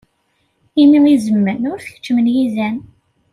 Imi izemmen, ur t-keččmen yizan.